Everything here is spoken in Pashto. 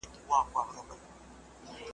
له تارونو جوړوي درته تورونه ,